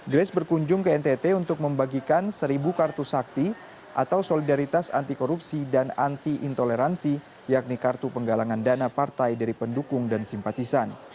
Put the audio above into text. grace berkunjung ke ntt untuk membagikan seribu kartu sakti atau solidaritas anti korupsi dan anti intoleransi yakni kartu penggalangan dana partai dari pendukung dan simpatisan